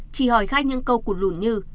chỉ hỏi khách những câu cụt lụn như